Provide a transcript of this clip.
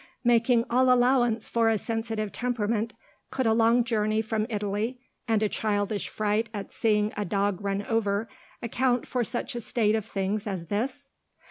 Making all allowance for a sensitive temperament, could a long journey from Italy, and a childish fright at seeing a dog run over, account for such a state of things as this?